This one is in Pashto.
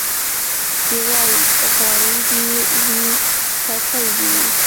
دی وايي غوړي دي وي څوکۍ دي وي